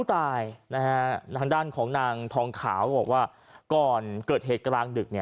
ทางด้านของนางทองขาวบอกว่าก่อนเกิดเหตุกลางดึก